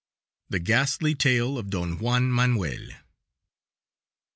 THE GHASTLY TALE OF DON JUAN MANUEL.